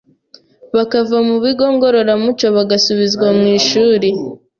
bakava mu bigo ngororamuco bagasubizwa mu ishuri